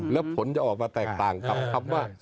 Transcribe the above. แล้วผลจะออกมาแตกต่างกับคำว่า